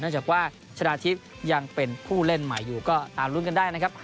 จากว่าชนะทิพย์ยังเป็นผู้เล่นใหม่อยู่ก็ตามลุ้นกันได้นะครับ